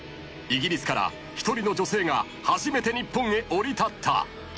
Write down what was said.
［イギリスから１人の女性が初めて日本へ降り立った］